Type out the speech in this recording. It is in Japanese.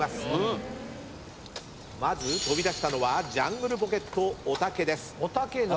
まず飛び出したのはジャングルポケットおたけです。